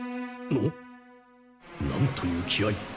なんという気合い。